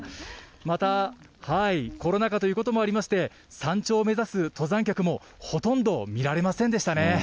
また、コロナ禍ということもありまして、山頂を目指す登山客もほとんど見られませんでしたね。